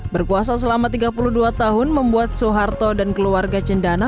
berpuasa selama tiga puluh dua tahun membuat soeharto dan keluarga cendana